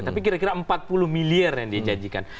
tapi kira kira empat puluh miliar yang diajanjikan